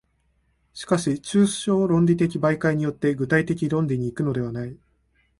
しかし抽象論理的媒介によって具体的論理に行くのではない。